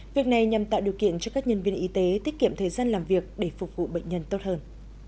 việc này nhằm tạo điều kiện cho các nhân viên y tế tiết kiệm thời gian làm việc để phục vụ bệnh nhân tốt hơn